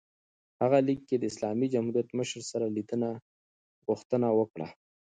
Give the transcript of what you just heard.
هغه لیک کې د اسلامي جمهوریت مشر سره لیدنې غوښتنه وکړه.